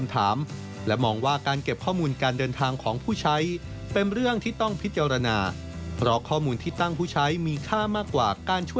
ทุกวันที่เราไปทุกวัน